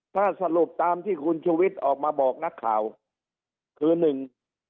ถ้าสรุปตามที่คุณชุวิตออกมาบอกนักข่าวคือหนึ่ง